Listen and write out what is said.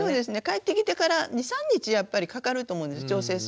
帰ってきてから２３日やっぱりかかると思うんです調整するの。